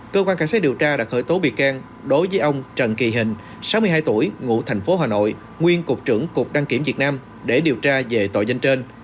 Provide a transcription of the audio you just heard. cơ quan cảnh sát điều tra đã khởi tố bị can đối với ông trần kỳ hình sáu mươi hai tuổi ngụ thành phố hà nội nguyên cục trưởng cục đăng kiểm việt nam để điều tra về tội danh trên